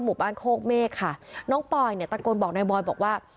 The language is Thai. หมู่บ้านโคกเมฆค่ะน้องปอยเนี่ยตะโกนบอกนายบอยบอกว่า